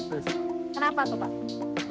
kenapa tuh pak